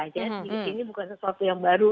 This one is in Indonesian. jadi ini bukan sesuatu yang baru